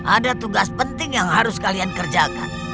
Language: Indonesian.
ada tugas penting yang harus kalian kerjakan